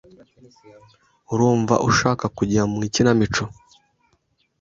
Urumva ushaka kujya mu ikinamico?